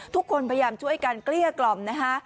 ทุกคนพยายามช่วยกันเกลี้ยกล่อมนะคะ